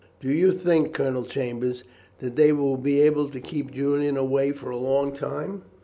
"Do you think, Colonel Chambers, that they will be able to keep Julian away for a long time?"